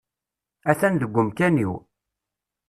Atan deg umkan-iw.